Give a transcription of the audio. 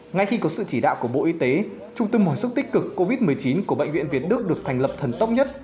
ngay khi có sự chỉ đạo của bộ y tế trung tâm mùa xúc tích cực covid một mươi chín của bệnh viện việt đức được thành lập thần tốc nhất